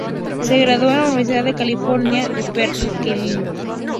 Se graduó en la Universidad de California en Berkeley.